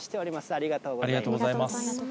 ありがとうございます。